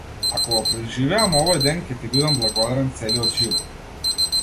Ако го преживеам овој ден ќе ти бидам благодарен целиот живот.